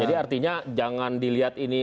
jadi artinya jangan dilihat ini